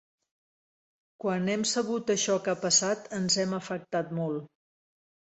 Quan hem sabut això que ha passat ens hem afectat molt.